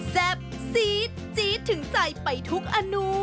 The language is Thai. แซ่บซีดจี๊ดถึงใจไปทุกอนุ